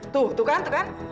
tuh tuh kan tuh kan